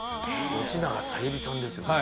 吉永小百合さんですよね。